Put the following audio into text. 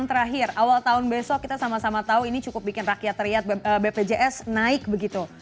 terakhir awal tahun besok kita sama sama tahu ini cukup bikin rakyat terlihat bpjs naik begitu